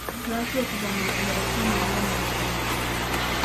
Lwaki okuva mu masomero kungi nnyo ennaku zino?